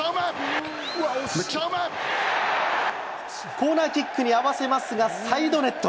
コーナーキックに合わせますが、サイドネット。